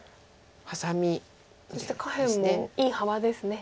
そして下辺もいい幅ですね。